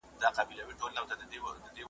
د تعویذ اغېز تر لنډي زمانې وي `